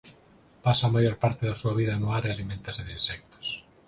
Pasa a maior parte da súa vida no ar e aliméntase de insectos.